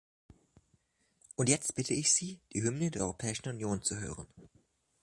Und jetzt bitte ich Sie, die Hymne der Europäischen Union zu hören.